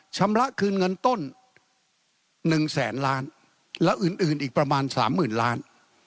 ชำระคืนเงินต้น๑แสนล้านแล้วอื่นอีกประมาณสามหมื่นล้าน